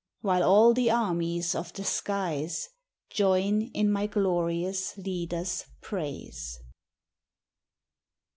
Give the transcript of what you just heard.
While all the armies of the skies > Jom lu my glorioos leader's praise.